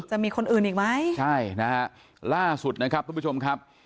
จะมีคนอื่นอีกไหมใช่นะฮะล่าสุดนะครับทุกผู้ชมครับ